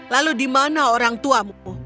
lalu di mana orang tuamu